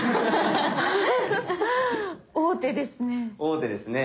王手ですね。